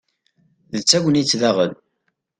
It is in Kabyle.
d tagnit daɣen